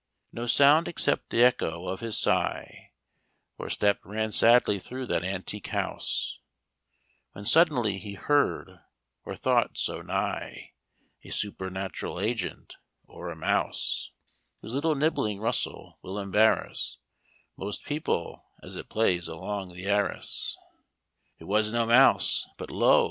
"No sound except the echo of his sigh Or step ran sadly through that antique house, When suddenly he heard, or thought so, nigh, A supernatural agent or a mouse, Whose little nibbling rustle will embarrass Most people, as it plays along the arras. "It was no mouse, but lo!